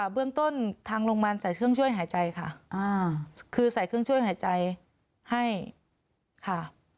เบื้องต้นทางโรงพยาบาลใส่เครื่องช่วยหายใจค่ะคือใส่เครื่องช่วยหายใจให้ค่ะ